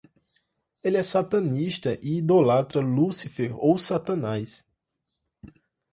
Ele é satanista e idolatra Lucifer ou Satanás